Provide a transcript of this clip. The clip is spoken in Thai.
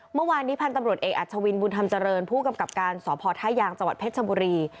เมื่อวานนี้พันธ์ตำรวจเอกอัชวินบุญธรรมเจริญผู้กำกับการสพท่ายางจังหวัดเพชรชบุรี